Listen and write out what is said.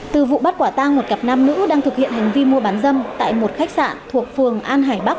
từ vụ bắt quả tang một cặp nam nữ đang thực hiện hành vi mua bán dâm tại một khách sạn thuộc phường an hải bắc